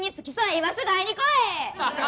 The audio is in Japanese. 今すぐ会いに来い！